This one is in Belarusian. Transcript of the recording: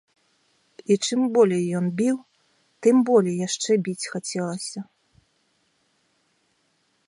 І чым болей ён біў, тым болей яшчэ біць хацелася.